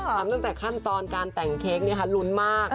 ทำตั้งแต่ขั้นตอนการแต่งเค้กเนี่ยค่ะลุ้นมาก